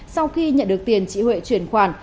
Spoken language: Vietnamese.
sau khi nhận được tiền chị huệ chuyển khoản